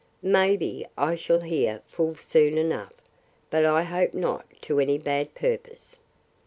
—May be I shall hear full soon enough!—But I hope not to any bad purpose.